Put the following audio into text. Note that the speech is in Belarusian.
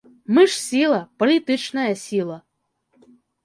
Мы ж сіла, палітычная сіла.